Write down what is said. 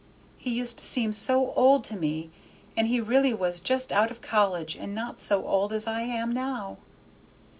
He used to seem so old to me, and he really was just out of college and not so old as I am now.